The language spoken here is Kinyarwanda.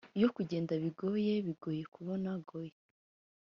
iyo kugenda bigoye, bigoye kubona goi